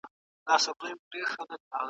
ښه ذهنیت ناکامي نه خپروي.